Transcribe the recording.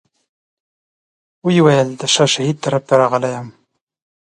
ویې ویل د شاه شهید طرف ته راغلی یم.